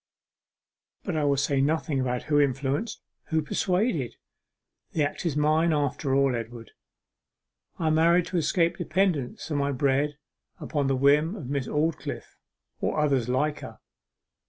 'But I will say nothing about who influenced who persuaded. The act is mine, after all. Edward, I married to escape dependence for my bread upon the whim of Miss Aldclyffe, or others like her.